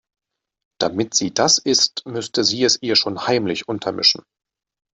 Damit sie das isst, müsste sie es ihr schon heimlich untermischen.